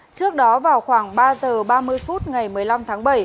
trước đó vào khoảng ba giờ ba mươi phút ngày một mươi năm tháng bảy